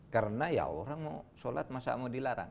karena ya orang mau sholat masa mau dilarang